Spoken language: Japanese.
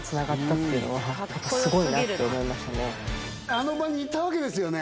あの場にいたわけですよね。